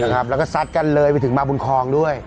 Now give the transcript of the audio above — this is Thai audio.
แล้วก็ซัดกันเลยไปถึงมาบุญคลองด้วย